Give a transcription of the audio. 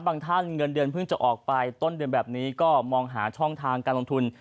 ท่านเงินเดือนเพิ่งจะออกไปต้นเดือนแบบนี้ก็มองหาช่องทางการลงทุน